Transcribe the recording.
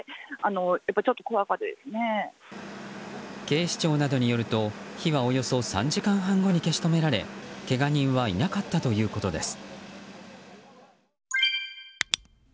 警視庁などによると火はおよそ３時間半後に消し止められけが人はいなかったということです。